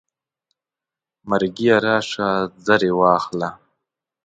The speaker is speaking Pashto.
مرګیه راشه زر یې واخله.